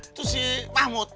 itu si mahmud